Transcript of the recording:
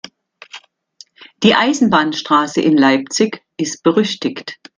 Die Eisenbahnstraße in Leipzig ist berüchtigt.